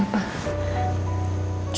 kamu sendiri kenapa